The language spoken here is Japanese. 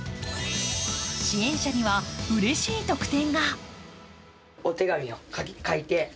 支援者にはうれしい特典が。